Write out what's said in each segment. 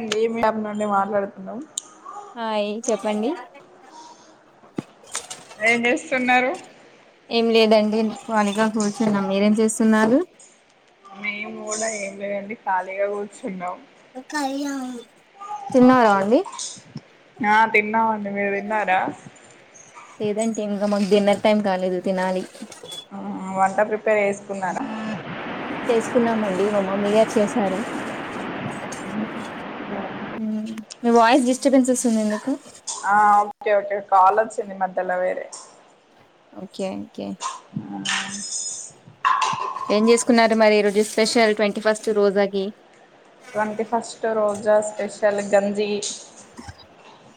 అండి మీ యాప్ నుండి మాట్లాడుతున్నాం హాయ్ చెప్పండి ఏం చేస్తున్నారు ఏం లేదండి కాళీగా కూర్చున్న మీరేం చేస్తున్నారు మేము కూడా ఏం లేదండి ఖాళీగా కూర్చు తిన్నవ్ తిన్నారా అండి ఆ తిన్నామండి మీరు తిన్నారా ఇంక మాకు డిన్నర్ టైం కాలేదు తినాలి. ఆ వంట ప్రిపేర్ వసుకున్నార చేసుకున్నామండి మా మమ్మీ గారు చేసారు. ఆ ఓకే ఓకే కాల్ వచ్చింది మద్యల వేరే ఒకే ఒకే అ ఏం చేసుకున్నారు మరి ఈ రోజు స్పెషల్ ట్వంటీ ఫస్ట్ రోజాకి. ట్వంటీ ఫస్ట్ రోజా స్పెషల్ గంజి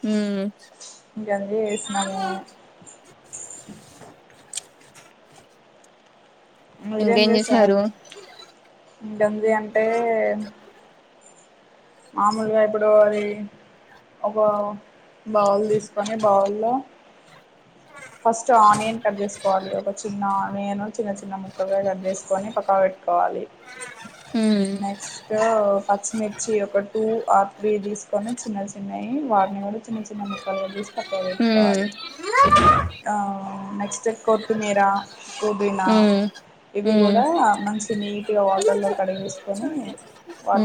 ఊ గంజి జేసనము మీరేం ఇంకేం చేసా చేశారు గంజి అంటే మామూలుగా ఇప్పుడు అది ఒక బవుల్ తీసుకొని బౌల్లో ఫస్ట్ ఆనియన్ కట్ చేసుకోవాలి ఒక చిన్న ఆనియన్ చిన్న చిన్న ముక్కలుగా కట్ చేసుకొని పక్కవ పెట్టుకోవాలి మ్మ్ నెక్స్ట్ పచ్చిమిర్చి ఒ టూ ఆర్ త్రీ తీసుకొని చిన్న చిన్నవి వాటిని కూడా చిన్న చిన్న ముక్కలు కట్ జేస్ పక్కకు మ్మ్ బెటకోవాలి ఆ నెక్స్ట్ కొత్తుమీరా పుదీనా మ్మ్ ఇవి కూడా మ్మ్ మం మస్ నీట్ గా వాటర్ లో కడిగేసి ఊ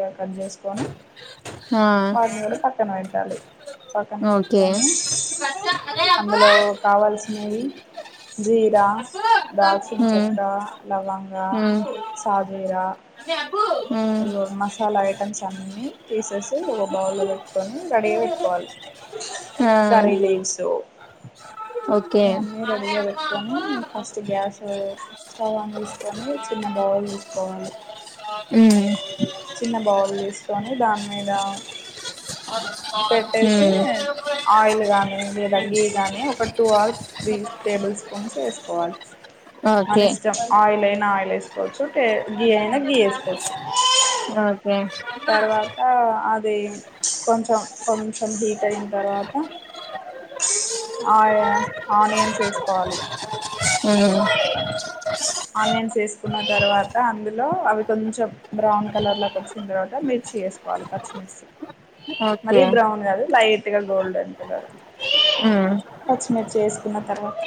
గా కట్ చేసుకొని వాటిని కూడా పక్కన పెట్టాలి పక్కన ఓకే పెట్టుకొని అందులో కావాల్సి నై జీరా దాల్చిన్ హ్మ్ చెక్క లవంగా హ్మ్ హ్మ్ సాజేరా అయ్యో మస్ వా ఐటమ్స్ అన్ని తీసేసి ఒక బౌల్లో పెట్టుకొని రెడీగా పెట్టుకోవాలి ఆ కర్రీ లీవ్స్ ఓకే ఇవన్నీ రెడి గా పెట్కోని ఫస్ట్ గ్యాస్ స్టవ్ అన్ చేసుకొని చిన్న బౌల్ తీసుకోవాలి ఉమ్ చిన్న బౌల్ తీసుకొని దాని మీద పెట్టేసి హ్మ్ ఆయిల్ కానీ లేదా గీ కానీ ఒక టూ ఆ త్రీ టేబుల్ స్పూన్స్ వేసుకోవాలి ఓకే మన ఇష్టం ఆయిల్ అయినా ఆయిల్ వేసు కోవచ్చు టె గి ఐనా ఏసు కొచ్చు ఓకే తర్వాత అ అది కొంచెం కొంచెం హీట్ అయిన తర్వాత ఆ ఆనియన్స్ వేసుకోవాలి ఊ న్న తర్వాత అందులో అవి కొంచెం బ్రౌన్ కలర్లోకి వచ్చిన తర్వాత మిర్చి వేసుకోవాలి పచ్చిమిర్చి ఓకే మరి బ్రౌన్ కాదు లైట్ గోల్డెన్ కలర్ ఉమ్ పచ్చిమిర్చి వేసుకున్న తర్వాత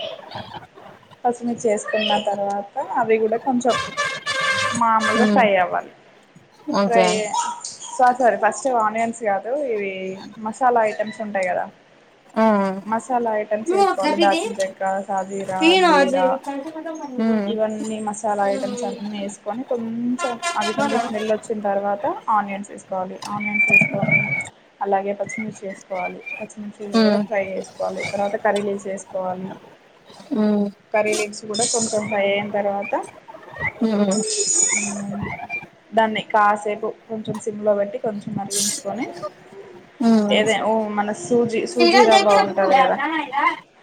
పచ్చిమిర్చి వేసుకున్న తర్వాత అవి కూడా కొంచెం మాములు హ్మ్ ఫ్రై అవ్వాలి fry okay sorry sorry first onions కాదు ఇవి మసాలా ఐటమ్స్ ఉంటాయి కదా ఆ మసాలా ఐటమ్ చేసుకోవాలి హ్మ్ దాల్చిన చెక్క షాజీరా జీర ఇవన్నీ మసాలా ఐటమ్స్ అన్నీ వేసుకొని కొం చెం అవి కొంచెం స్మెల్ వచ్చిన తర్వాత ఆనియన్స్ వేసుకోవాలి ఆనియన్స్ వేసుకొని అలాగే పచ్చిమిర్చి వేసుకోవాలి పచ్చిమిర్చి కూడా హ్మ్ ఫ్రై చేసుకోవాలి తర్వాత కర్రీ లీవ్స్ వేసుకోవాలి కర్రీ లీవ్స్ కూడా కొంచెం ఫ్రై అయిన తర్వాత హ్మ్ ఉమ్ దాన్ని కాసేపు కొంచెం సిమ్ లో పెట్టి కొంచెం మరిగించుకొని హ్మ్ ఏదే ఓ మన సూజీ సూజీ రవ్వ ఉంటది కదా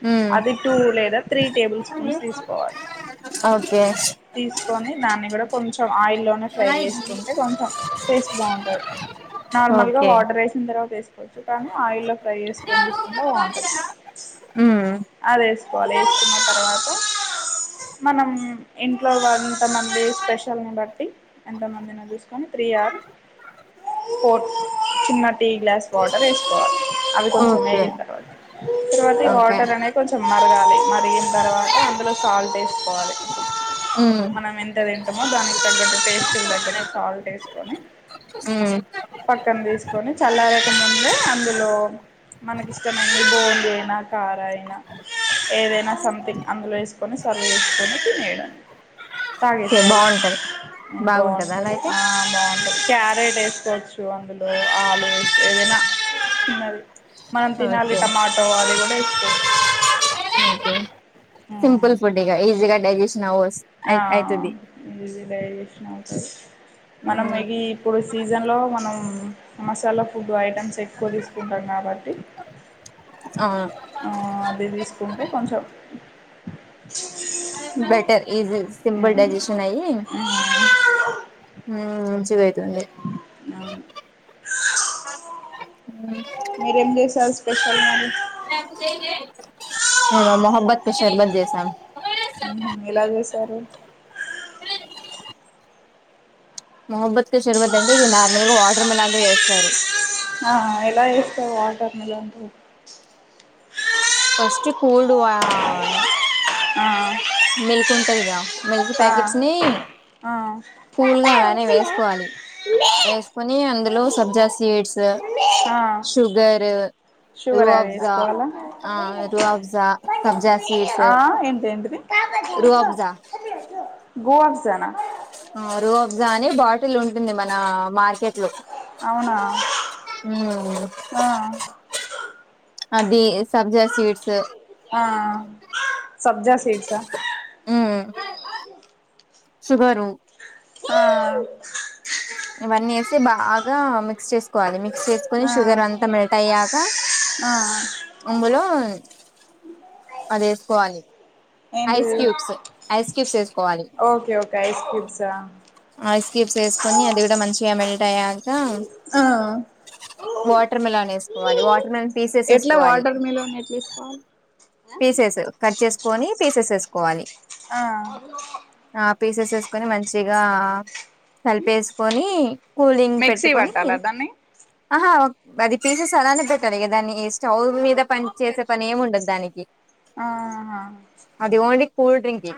ఉమ్ అది టూ లేదా త్రీ టేబుల్ స్పూన్స్ తీసుకోవాలి ఓకే కొని దాన్ని కూడా కొంచం ఆయిల్లో ఫ్రై ఓకే చేసుకుంటే కొంచెం టేస్ట్ బాగుంటది నార్మల్ గా వాటర్ వేసిన తర్వాత వేసుకు కొచ్చు కానీ ఆయిల్లో ఫ్రై చేసుకొని తీసుకుంటే బాగుంటుది ఉమ్ అదే వేసుకోవాలి వేసుకున్న తర్వాత మనం ఇంట్లో ఎంతమంది స్పెషల్ ాలని బట్టి ఎంతమందినో చూసుకొని త్రీ ఆర్ ఫోర్ చిన్న టీ గ్లాస్ వాటర్ వేసుకోవాలి అది కొంచెం వేగిన ఓకే తర్వాత తర్వాత ఓకే వాటర్ అనేవి కొంచెం మరగాలి మరిగిన తర్వాత అందులో సాల్ట్ ఎసుకోవాలి ఉమ్ మనం ఎంత డెమో దానికి తగ్గట్టు పేస్టుకు దగ్గట్టు సాల్ట్ ఎస్కొని ఉమ్ పక్కన తీస్కొని చల్లారాక ముందే అందులో మనకు ఇష్టమైన బొంది అయిన కారా అయిన ఏదైనా సమ్థింగ్ అందులో ఎస్కొని సర్వ్ చేసుకొని తినేయడమే కే తాగేసేయాలి బాగుంటది బాగుంటద అలా బాగుంటది అయితే ఆ క్యారెట్ ఎసుకోవచ్చు అందులో ఆలూ ఏదైనా చిన్నది మనం తినాలి ఓకే టమాటో అది కూడా ఇస్త ే సింపుల్ ఫుడ్డిగా ఈజీ గా లైక్ చేసినావు ఆ డైజెషన్ అవుతది మనం ఉమ్ ఇ ఇప్పుడు సీజన్లో మనం మసాలా ఫుడ్ ఐటమ్స్ ఎక్కువ తీసుకుంటాం కాబట్టి అవును ఆ అదేదిస్ కుంటే కొంచెం బెటర్ ఈజీ సింపుల్ డైజెషన్ అయి ఉ ఉ మంచిగైతుండే అవును మీరేం చేశారు స్పెషల్ మరి అ మహబ్బత్ క షర్బత్ చేసాం సరే మొహబ్బత్ క షర్బత్ అండి ఇది నార్మల్ గా వాటర్ మిలాన్ తో చేస్తారు ఆ ఎలా చేస్తరు వాటర్ మిలాన్ తొ ఫస్ట్ కూల్డ్ ఆ ఆ మెల్కుంటదిగా మిల్క్ ఆ ప్యాకెట్స్ ని ఆ ఆ కూల్గా అలానే వేసుకోవాలి వేసుకొని అందులో సబ్జా seeds sugar sugar add Roohafza చేసుకోవాలని ఆ రుఅబ్జా సబ్జా సీడ్స్ [unintelligible] గో అ..... రూఅఫ్జా అ బాటిల్ ఉంటుంది మన మార్కెట్ లో అవునా... ఆ అదీ సబ్జా సీడ్స్ ఆ సబ్జా సీడ్సా ఉ షుగరు ఆ ఇవన్నీ వేసి బాగా మిక్స్ చేసుకోవాలి మి చేసుకుని ఆ షుగర్ అంతా మెల్ట్ అయ్యాక ఆ ఉంగడ అది ఏసుకోవాలి ఐస్ ఏంటిది క్యూబ్స్ ఐస్ క్యూబ్స్ వేసుకోవాలి ఓకే ఓకే ఐస్ క్యూబ్సా ఐస్ క్యూబ్స్ వేసుకొని అది కూడా మంచిగా మెల్ట్ అయ్యాక ఆ వాటర్ మిలన్ వేసుకోవాలి వాటర్ మిలన్ తీసేస్ ఎట్లా వేసుకోవాలి వాటర్ మిలన్ ఎట్లా వేసుకోవాలి పీసేస్ కట్ చేసుకొని పీసెస్ ఏసుకోవాలి ఆ పీసెస్ వేసుకొని మంచిగా కలిపేసుకోని కూలింగ్ మిక్సీ పెట్టుకొని పట్టాలా దాన్ని ఆహా అది పీసెస్ అలానే పెట్టాలి ఇహ దాన్ని స్టవ్ మీద పని చేసే పని ఏమి ఉండదు దానికి ఆ... హ అది కూల్డ్రింక్కి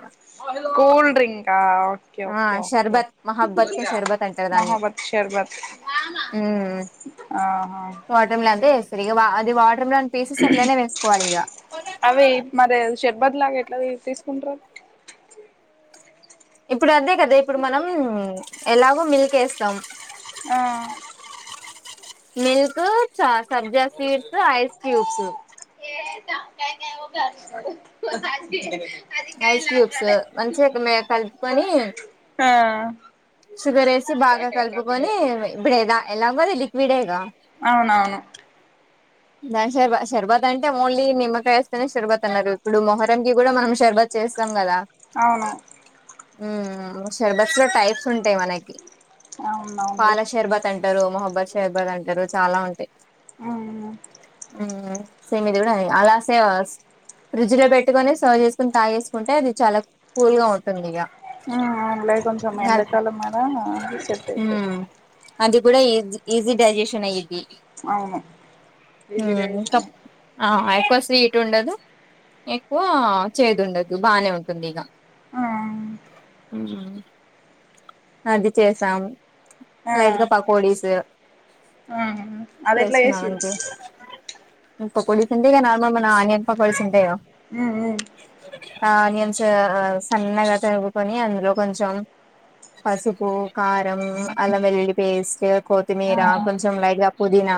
కూల్ డ్రింక ఓకే ఆ ఓకే ఓకే షర్బత్ మహబ్బత్ క షర్బత్ అంటారు దాన్ని మహబత్ శర్బత్ ఉమ్ ఆ రి బా అది వాటర్మెలోయిన్ పీసిస్ అట్లనే వేసుకోవాలి ఇక అవి మరి శర్బ దిలాగా ఎట్లా తీసుకుంటారు ఇప్పుడు అదే కదా ఇప్పుడు మనం ఎలాగో మిల్క్ వేస్తాం ఆ మిల్క్ చ సబ్జా సీడ్సా ఐస్ క్యూబ్స్ [inaudible] ఐస్ క్యూబ్స్ మంచి కలుపుకొని ఆ షుగర్ వేసి బాగా కలుపుకొని ఇప్పుడదా ఎలాగో ఇది విడేగా అవునవును దానిర్బ షర్బత్ అంటే ఓన్లీ నిమ్మకాయ వేస్తేనే షర్బత్ అన్నారు ఇప్పుడు మొహరంకి కూడా మనం షర్బత్ చేస్తాం కదా అవును ఉ షర్బత్స్ లో టైప్స్ ఉంటాయి మనకి అవునవునులే పాల శర్బత్ అంటారు మొహబ అబాషహబాద్ అంటారు చాలా ఉంటాయి అవును ఉ సేమ్ ఇది కూడా అ అలా సే ఫ్రిడ్జ్ లో పెట్టుకుని సర్వ్ చేసుకుని తాగ చేేసుకుంటే అది చాలా కూల్ గా ఉంటుంది ఇగ ఉ అవులే కొంచం ఎండాకాలం కదా సెట్ ఉమ్ అది కూడా ఇస్ ఈజీ డైజెషన్ అయిద్ది అవును ఈజీ ఇంకా డై్సేషన్ అయి ఆ ఎక్కువ స్వీట్ ఉండదు ఎక్కువ చేదు ఉండదు బానే ఉంటుంది ఇగ ఆ హు అది చేసాము ఆ లైట్ గ పకోడీస్ అది ఎట్లా ఏసిరు పకోడీ తింటే నర్మల్ మన అనియన్ పకోడీస్ ఉంటాయిగా ఉ ఉ ఆ నేను చ సన్నగా తరుగుకొని అందులో కొంచెం పసుపు, కారం, అల్లం వెల్లి పేస్ట్, ఆ కొత్తిమీర, కొంచెం లైట్గా పుదీనా,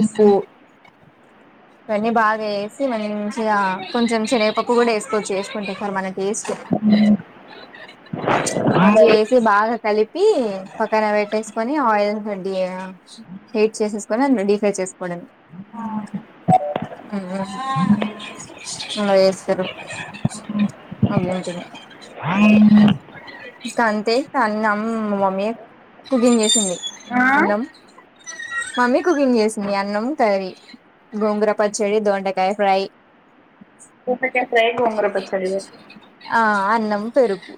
ఉప్పు ఇవన్నీ బాగా వేసి మంచిగా కొంచెం శనగపకు కూడా వేసుకోచ్చి చేసుకుంటే సార్ మన టేస్ట్ మంచిగా వేసి బాగా కలిపి పక్కన పెట్టేసుకొని ఆయిల్ హీట్ చేసేసుకొని అ డీఫ్రై చేసుకోవడమే ఉ ఇలా చేస్తారు [unintelligible] అంట ఇక అంతే అన్న మమ్మీ కుకింగ్ చేసింది ఆ అన్నం మమ్మీ కుకింగ్ చేసింది అన్నం తయీ గోంగుర పచ్చడి దోండకాయ ఫ్రై ఫ్రేయ్ గోంగూర పచ్చడి కదా న్నం పెరుగు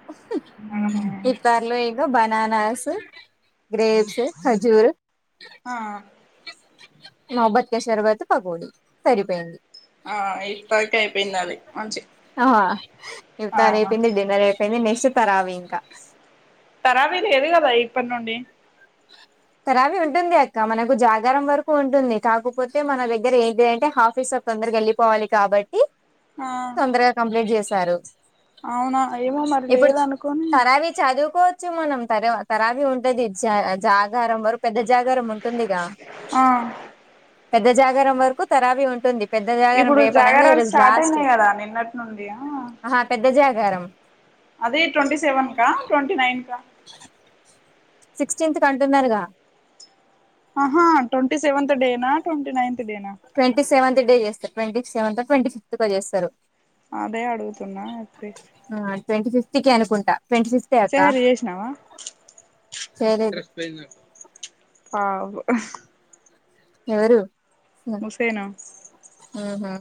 ఇత్తర్రు ఇంగ బనానాస్ గ్రాప్స్ కాజ్జురా ఆ మొహబ్బత్ కషరాబత్ క పకొడి సరిపోయింది ఆ ఇఫత్తర్ కు అయిపోయింది అది మంచి ఆహా ఆ చ్చుతరావి ఇంకా తరాబి లేదుగా బై ఇప్పటి నుండి తరాబి ఉంటుంది అక్క మనకు జాగారం వరకు ఉంటుంది కాకపోతే మన దగ్గర ఏంది అంటే హాఫీస్ తొందరకి వెళ్ళిపోవాలి కాబట్టి ఆ తొందరగా కంప్లైంట్ చేశారు అవునా ఏమో మరి లేదు అనుకోని చ్చు మనం తరువ్ తరావి ఉంటది జ జా జాగారం వారు పెద్ద జాగారం ఉంటుందిగా ఆ పెద్ద జ గరం వరకు తరాబి ఉంటుంది పెద్ద జాగారం ఇప్పుడు రేపనంగా జాగారలు ఈరోజు స్టార్ట్ లాస్ట్ అయినాయి కదా నిన్నటి నుండి ఆ గరం అదే ట్వంటి సెవెన్ కా ట్ట్వేంటి నైన్ కా సిక్స్టీన్త్ కంటున్నారుగా అహ ట్వటి సెవెత్ డేట్ నా టోంటి నైత్ డే నా ట్వంటీ సెవెంత్ డే చేస్తారు ట్వంటీెవెంత్ ట్వంటీ ఫిఫ్త్కొ చేస్తారు అదే అడుగుతున్నా ఎప్పుడు చేస్ తికి అనుకుంటా ట్వంటీ ఫిఫ్తే అక్క సహరి చేసినవా చేయలేదు పాపం హ ఎవరు హు మ్ హు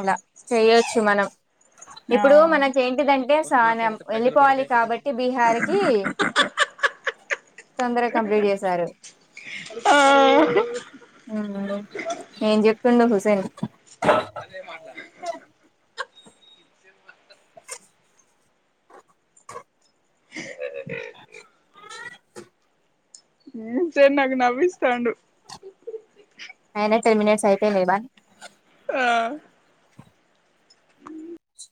అలా చేయొచ్చు మనం ఇప్పుడు ఆ మనకేఏంటిదంటే సా నం వెళ్ళిపోవాలి కాబట్టి బీహార్ కి తొందరగా కంప్లీట్ చేసారు ఉమ్ నేన్ చెపెద్ హుసెన్ [unintelligible] హు చె నాకు నవ్విస్థండు ఆయనా టెన్ మినిట్స్ అయిపొఇంది ఇగ బాయ్ ఆ ఉమ్